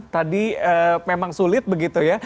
tadi memang sulit begitu ya